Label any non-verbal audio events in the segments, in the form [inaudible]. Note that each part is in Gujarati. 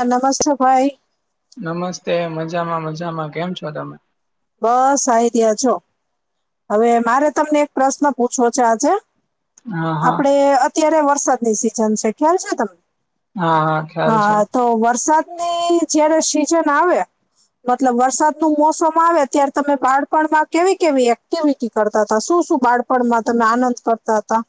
આનામાં શું હોય નમસ્તે મજામાં મજામાં કેમ છો તમે? બસ અહીં ત્યાં છો હવે મારે તમને એક પ્રશ્ન પૂછવો છે આજે હા હા આપડે અત્યારે વરસાદની સિઝન છે ખ્યાલ છે તમ હા હા ખ્યાલ છે તો વરસાદની જયારે સીઝન આવે મતલબ વરસાદનું મોસમ આવે ત્યારે તમે બાળપણમાં કેવી કેવી એક્ટિવિટી કરતા હતા શું શું બાળપણમાં તમે આનંદ કરતા હતા.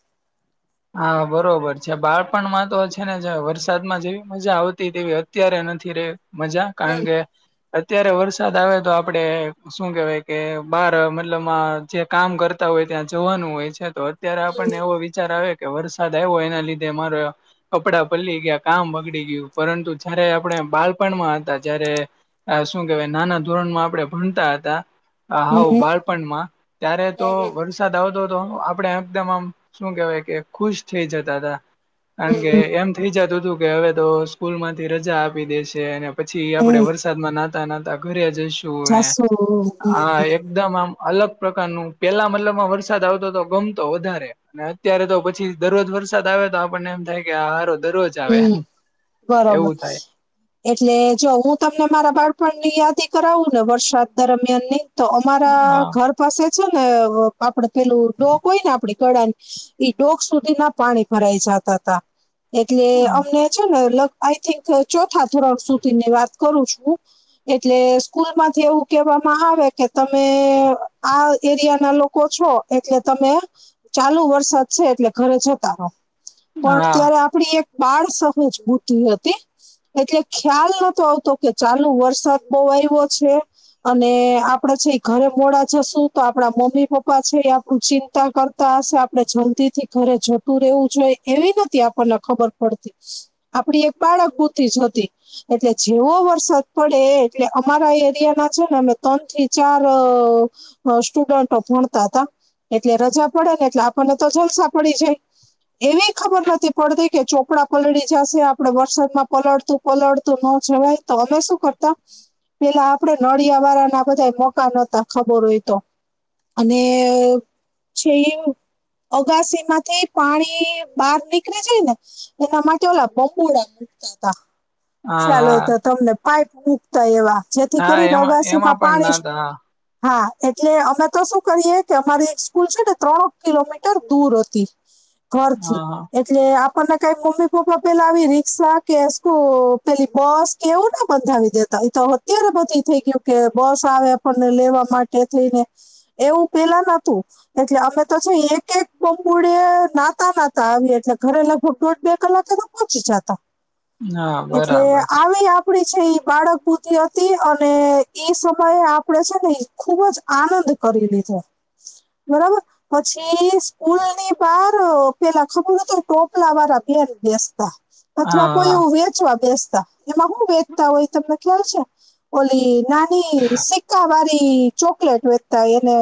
હા બરોબર છે બાળપણમાં તો છે ને જે વરસાદમાં જેવી મજા આવતી તેવી અત્યારે નથી રે મજા કારણ કે અત્યારે વરસાદ આવે તો આપણે શું કહેવાય કે બાર મતલબમાં જે કામ કરતા હોય ત્યાં જવાનું હોય છે તો અત્યારે આપણને એવો વિચાર આવે કે વરસાદ આવ્યો એના લીધે મારો કપડા પલળી ગયા કામ બગડી ગયું પરંતુ જયારે આપણે બાળપણમાં હતા જયારે હા શું કેવાય નાના ધોરણ માં આપણે ભણતા હતા. આ હમ હાવ હમ બાળપણમાં ત્યારે તો વર - સાદ આવતો હતો આપણે એકદમ આમ શું કહેવાય કે ખુશ થઇ જતા હતા. કારણ કે હમ એમ થઇ જતું હતું કે હવે તો સ્કૂલમાંથી રજા આપી દેશે અને પછી હમ આપણે હમ, વરસાદમાં નહતા નહતા ઘરે જઈશું અને જાસુ હમ હમ આ એક એકદમ આમ અલગ પ્રકારનું પેલા મતલબમાં વરસાદ આવતો તો ગમતો વધારે અને અત્યારે તો પ પછી દરરોજ વરસાદ આવે તો આપણને એમ થાય કે આ હારો દરરોજ આવે હમ.. એવું બરોબર થાય એટલે જો હું તમને મારા બાળપણની યાદી કરાવુને વરસાદ દરમ્યાનની તો અમારા હા ઘર પાસે છે ને આપણે પેલું ડોક હોય ને આપણે ઘડાનું ઈ ડોક સુધીના પાણી ભરાઈ જાતા હતા. એટલે હા અમને છે લગ આઈ થિંક ચોથા ધોરણ સુધીની વાત કરું છું. એટલે સ્કૂલમાંથી એવું કેવામાં આવે કે તમે આ એરિયાના લોકો છો એટલે તમે ચાલુ વરસાદ છે એટલે ઘરે જતા રહો પણ હા ત્યારે આપણી એક બાળ સહજ બુદ્ધિ હતી. એટલે ખ્યાલ નતો આવતો કે ચાલુ વરસાદ બહુ આયવો છે. અને આપણે છે ઈ ઘરે મોડા જશું તો આપણા મમ્મી પપ્પા છે એ આપણું ચિંતા કર પાસું આપડે જલ્દીથી ઘરે જતું રહેવું જોઈએ એવી નથી આપણને ખબર પડતી. આપડી એક બાળક બુદ્ધિ જ હતી. એટલે જેવો વરસાદ પડે એટલે અમારા એરિયાના છે ને અમે ત્રણ થી ચાર અ સ્ટુડન્ટો ભણતા હતા એટલે રજા પડે ને એટલે આપણને તો જલસા પડી જાય. એને ખબર નથી પડતી કે ચો પડા પલળી જશે આપડે વરસાદમાં પલળતું પલળતું ન જવાય તો અમે શું કરતા. પેલા આપડે નળિયા વાળા ના બધા મોકા નહોતા ખબર હોય તો. અને છે એ અગાસી માંથી પાણી બહાર નીકળે જાય ને. એના માટે ઓલા બંગોળ મુકતા હતા ખ્યાલ હા હોય તો તમને પાઈપ મૂક તા એવા જેથી હા કરીને એમાં અગાસી એમાં માં પણ પાણી નાતા હા એટલે અમે તો શું કરીએ કે અમારી એક સ્કૂલ છે ને ત્રણ કિલોમીટર દૂર હતી [inaudible] ઘર થી હા એટલે આપણને કઈ મમ્મી પપ્પા પેલા આવી રિક્ષા કે પેલી બસ કેવું ના બંધાવી દેતા એ તો અત્યારે બધી થઈ ગયું કે બસ આવે આપણને લેવા માટે થઈને એવું પેલા નતું. એટલે અમે તો છે એક એક બમબુડે નાતા નાતા આવિયે એટલે ઘરે લખ ઘર બે કલાકે પહોંચી જતા હા એટલે બરાબર આવેલા પડી છે એ બાળક બુદ્ધિ હતી, અને એ સમયે આપડે છે ને ખુબ જ આનંદ કરી લીધો. બરાબર પછી સ્કૂલની બાર પેલા ખબર હતું કોક પલા વાળા બેેન બેસતા હા અથવા કોઈ હા એવું વેચવા બેસતા. એમાં હું વેચતા હોય તમને ખ્યાલ છે ઓલી નાની સિકકા વાળી ચોકલેટ વેચતા એને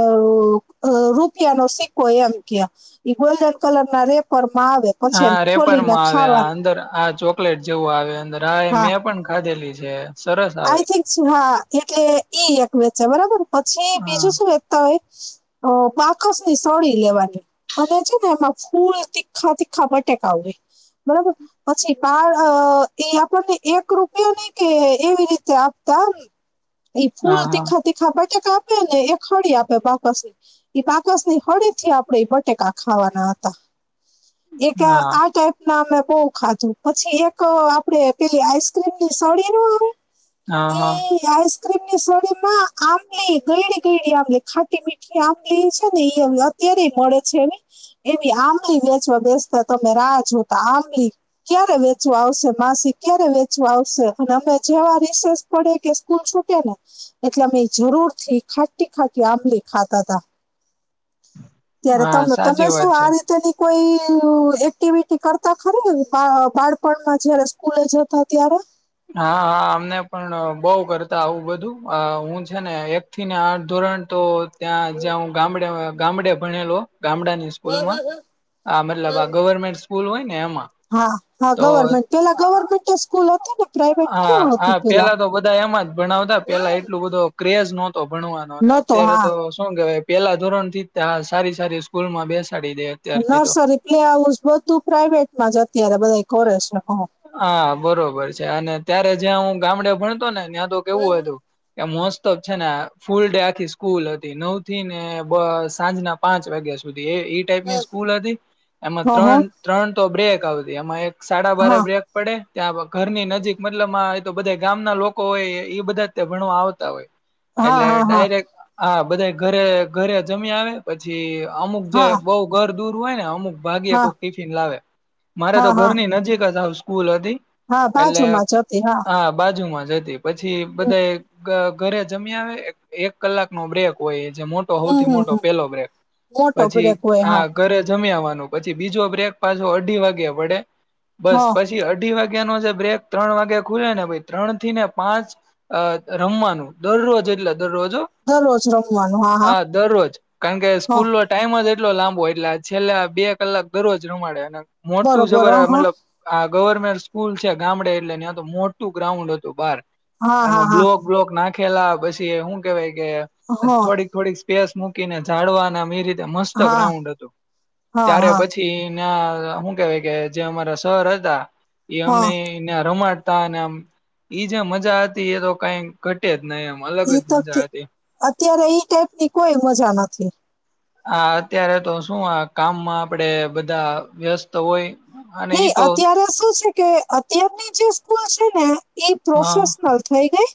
રૂપિયાનો સિક્કો એમ કે આ એ ગોલ્ડન કલર ના રે-પર્મા આવે પછી એને હા રેપર ખોલીને માં આવે ખાવાનું અંદર આ જો લેટ જેવું આવે અંદર હા એ મેં પણ ખાધેલી છે. સરસ આવે આઈ થિંક હા એટલે ઈ એક વેચે બરાબર, પછી હા બીજું શું વેચતા હોય. અ પાકસ ની સડી લેવાની. અને છે ને એમાં ફૂલ તીખા તીખા બટેકાવે બરાબર પછી બાળ અ એ આપણને એક રૂપયો નઈ કે એવી રીતે આપતા આમ એ ફૂલ હા હા તીખા તીખા બટાક આપ્યો ને એ ખડી આપ્યો પાપસને એક કાકાસની હળી થી આપણે એ બટેકા ખાવાના હતા એક હા આ ટપ ના અમે બહુ ખાધું પછી એક આપડે પેલી આઈસક્રીમની સડી નું આવે? હા હા એ આઈસક્રીમ ની સડીમાં આંબલી ગયડી ગયડી આંબલી ખાટી મીઠી આંબલી છે ને એ કેરી મળે છે ને એની આંબલી વેચવા બેસતા તમે રાહ જો તા આંબલી ક્યારે વેચવા આવશે માસી ક્યારે વેચવા આવશે અને અમે જેવા રિસેસ પડે કે સ્કૂલ છૂકે ને એટલે અમે જરૂર થી ખાટી ખાટી આંબલી ખાતા હતા. ત્યારે હા તમને તમે સાચી વાત શું છે આ રીતે ની કોઈ એક્ટિવિટી કરતા ખરે બાળપણમાં જયારે સ્કૂલે જતા ત્યારે? હા હા અમને પણ બોવ કરતા આવું બધું હું છે ને એક થીને આઠ ધોરણ તો ત્યાં જ્યાં હું ગામડે ગામડે ભણેલો ગામડા ની સ્કૂલમાં આ મતલબ આ ગવર્મેન્ટ સ્કૂલ હોય ને એમાં. હા હા તો ગવર્મેન્ટ પેલા ગવર્મેન્ટો સ્કૂલ હતી ને? પ્રાઇવેટ હા કેવા હતી હા પેલા તો બધા એમાં જ ભણાવતા પેલા એટલું બધો ક્રેઝ નત તો ભણવાનોને નતો અત્યારે હા તો શું કેહેવાય પહેલા ધોરણ થી આ સારી સારી સ્કૂલ માં બેસાડી દે. અત્યારથી તો નરસરી કે આવું જ બધું પ્રાઈવેટમાં જ અત્યારે બધા કરે છે હ. હા બરોબર છે અને ત્યારે જ્યાં હું ગામડે ભણતો ને ત્યાં તો કેવું હો હતું એ મોસ્ત છે ફૂલ ડે આખી સ્કૂલ હતી નવ થી ને બ સાંજના પાંચ વાગ્યા સુધી એવી એ ટાઈપની સ્કૂલ હતી એમાં હ હ ત્રણ ત્રણ તો બ્રેક આવતી એમાં એક સાડા બારે હા બ્રેક પડે ત્યાં. [unintelligible] ઘરની નજીક મતલબ આ તો બધા ગામના લોકો હોય ઈ બધાયા જ ભણવા આવતા હોય. હા એટલે હા હા ડાયરેક હા બધા ઘરે ઘરે જમી આવે. પછી અમુક જે હા બહુ ઘર દૂર હોય ને અમુક ભાગ્યે હા કોક ટિફિન લાવે મારે તો હા હા ઘરની નજીક જ આવ સ્કૂલ હતી. હા એટલે બાજુમાં જતી હા બાજુમાં જ હતી. પછી હમ બધાં ઘ ઘરે જમી આવે એક કલાક નો બ્રેક હોય જે મોટ હમ સૌથી હમ મોટો હમ પહેલો બ્રેક મોટો પછી બ્રેક હોય આ હા ઘરે જમી આવવાનું પછી બીજો બ્રેક પાછો અઢી વાગે પડે બસ હા પછી અઢી વાગે ન જે બ્રેક ત્રણ વાગે ખુલે ને ત્રણ થી ને પાંચ અ રમવાનું દરરોજ એટલે દરરોજ હ, હા દરરોજ. કારણ કે હા સ્કૂલ નો ટાઈમ જ એટલો લાંબો એટલે છેલ્લા બે કલાક દરરોજ રમાડે અને મોટું બરોબર જબર હ હ મતલબ આ ગવરન સ્કૂલ છે ગામડે એટલે ન્યા તો મોટું ગ્રાઉન્ડ હતું બાર હા હા એમાં હા બ્લોક બ્લોક નાખ ખેલા પછી શું કેવાય કે હા થોડીક થોડીક સ્પેસ મૂકીને જાડવાને [unintelligible] મસ્ત હા ગ્રાઉન્ડ હતો હા ત્યારે હા પછી થી ના હું કેવાય કે જે અમારા શર હતા એ હા અમને રમાડતા અને આમ ઈ જે મજા હતી એ તો કઈ ઘટે જ નહી એમ. અલગ ઈ જ તો કે મજા હતી અત્યારે ઈ ટાઈપ ની કોઈ મજા નથી. હ અત્યારે તો શું આ કામમાં આપડે બધા વ્યસ્ત તો હોય અને નહીં, ઈ તો અત્યારે શું છે કે અત્યારની જે સ્કૂલ છે ને એ હા પ્રોફેશનલ થઈ ગઈ.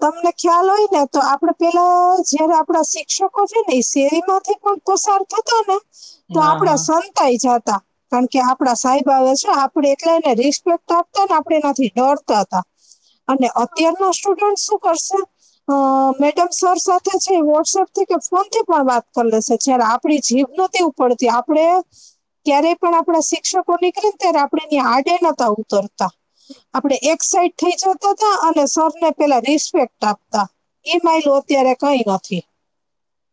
તમને ખ્યાલ હોય ને તો આપડે પેલા જયારે આપડા શિક્ષકો છે ને શેરી માંથી કો પસાર થતા ને તો હા આપડા હા સંતાય જાતા કારણ કે આપડા સાહેબ [unintelligible] આપડે એલાને રિસ્પેક્ટ આપતા ને આપણે એનાથી ડોરતા હતા. અને અત્યારના સ્ટુડન્ટ શું કરશે અ મેડમ સર સાથે છે વોટ્સઅપથી કે ફોન થી પણ વાત કરી લેશે જ્યારે આપણી જીભ નોતી ઉપ પડતી આપણે ક્યારેય પણ આપણા શિક્ષક કો નીકળે ને ત્યારે આપણેેની આડે નતા ઉતરતા. આપડ એક સાઇડ થઈ જતા તા અને સરને પેલા રિસ્પેક્ટ આપતા. એ માયલુ અત્યારે કઈ નથી.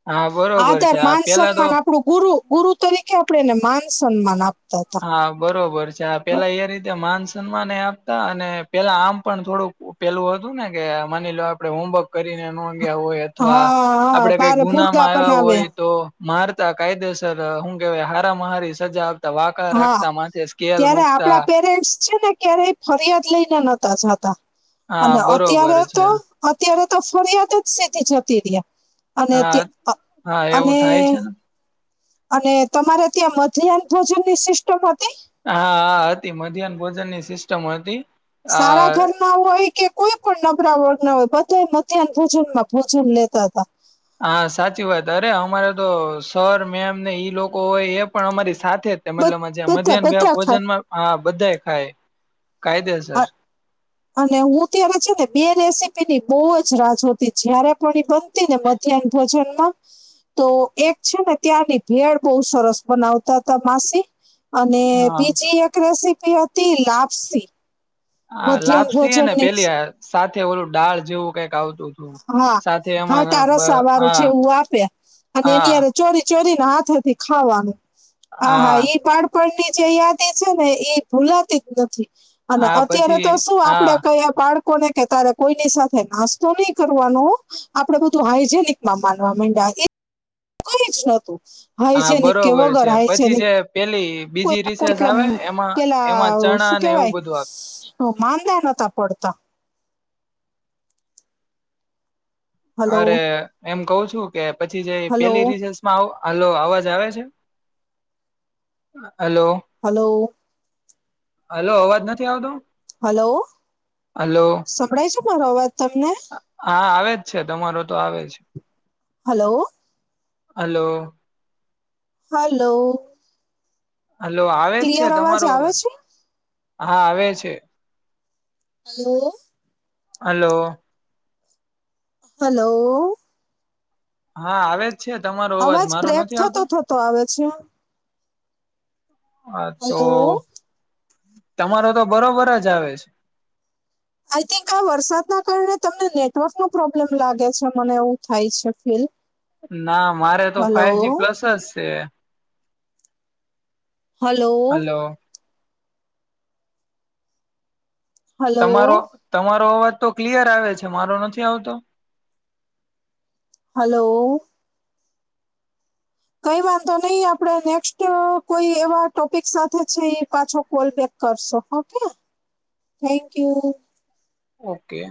હા બરોબર આદર છે આ માન પેલા તો સન્માન આપણું ગુરુ ગુરુ તરીકે આપણે એને માન સન્માન આપતા હતા. હા બરોબર છે આ પેલા એ રીતે માન સન્માન એ આપતા અને પેલા આમ પણ થોડુંક પેલું હતું ને કે માની લો આપડે હોમવર્ક કરીને નો ગ્યા હોય અથવા હા હા આપડે કઈ બારે મુર્ગા ગુનામાં આવ્યા બનાવે હોય તો મારતા કાયદેસર હું કેવાય હારામાં હારી સજા આપતા [unintelligible] હા માથે સ્કેલ ત્યારે મુકતા આપડા પેરેન્ટ્સ છે ને ક્યારેક ફરિયાદ લઈને નોતાં જતા હા અને બરોબર અત્યારે છે તો અત્યારે તો ફરિયાદ જ સીધી જતી રહે અને હા હા [unintelligible] એવું અને થાય છે ને અને તમારે ત્યાં મધ્યાહન ભોજનની સિસ્ટમ હતી? હા હા હતી મધ્યાહન ભોજનની સિસ્ટમ હતી. આ સારા ઘર હોય કે કોઈ પણ નબળા વર્ગના હોય બધા મધ્યાહન ભોજનમાં ભોજન લેતા હતા. હા સાચી વાત અરે અમારે તો સર મેમ ને ઈ લોકો હોય એ પણ અમારી સાથે જ મતલબમાં બધા મધ્યાહન બધા ખાય ભોજનમાં હા બંધાય ખાય કાયદેસર. અને હું ત્યારે છે ને બે રેસીપીની બહુ જ રાહ જોતી જય્યારે પણ એ બન તી ને મધ્યાહન ભોજનમાં. તો એક છે ને ત્યારની ભેળ બહુ સરસ બનાવતા હતા માસી. અને હા બીજી એક રેસીપી હતી લાપસી. હા, મધ્યાહન લાપસી ને ભોજનની પેલી સાથે ઓલું ડાળ જેવું કઈક આવતું. હતું હા, સાથે એમાં હાટા બ રસાવાળું છે હા એવું આપે અને એની હા હારે ચોરી ચોરીને હાથેથી ખાવાનું આહા હા ઈ બાળ પણની જે યાદી છે ને એ ભૂલાતી જ નથી. અને હા અત્યારે પછી તો શું હા આપડે કહીએ બાળકોને કે તારે કોઈની સાથે નાસ્તો નહી કરવાનું. આપડે બધું હાાઈજેનિકમાં માનવા માંડયા. એ કઈ જ નતું. હા હાયજેનીક કે બરોબર વગર છે પછી હાયજેનીક. જે પેલી. બીજી રિસેસ આવે [unintelligible] એમાં પેલા એમાં ચણા શું અને એવું કેવાય? બધું આપ હ, માંદા નતા પડતા. હલો અરે, એમ કહુ છું કે પછી જે હલો પેલી રીસેસ હ, અવાજ આવે છે, હલો. હલો. હલો, અવાજ નથી આવતો? હલો, હલો સંભળાય છે મારો અવાજ તમને? હા, આવે જ છે તમારો તો આવે જ. હલો. હલો. હલો. હલો, આવે જ છે ક્લિયર તમારો આવે અવાજ છે હા આવે છે. હલો. હલો. હલો. હા, આવે જ છે તમારો અવાજ મારો બ્રેક નથી થતો આવતો? થતો આવે છે હા તો હલો તમારો તો બરોબર જ આવે છે. આઈ થિંક આ વરસાદના કારણે તમને નેટવર્કનો પ્રોબ્લેમ લાગે છે મને એવું થાય છે ફીલ. ના મારે તો હલો ફાઈવ જી પ્લસ જ છે. હલો. હલો તમારો, તમારો અવાજ તો ક્લિયર આવે છે મારો નથી આવતો? હલો. કઈ વાંધો નહી, આપડે નેક્સ્ટ કોઈ એવા ટોપિક સાથે છે પાછો કોલ બેક કરશો હો કે થેન્ક યુ. ઓકે.